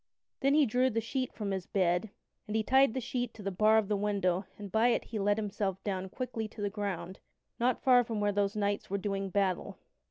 Then he drew the sheet from his bed, and he tied the sheet to the bar of the window and by it he let himself quickly down to the ground not far from where those knights were doing battle.